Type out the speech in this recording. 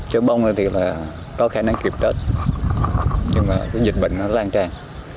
trời bông này thì là có khả năng kiệp tết nhưng mà cái dịch bệnh nó lan tràn